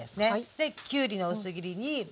できゅうりの薄切りにパプリカ。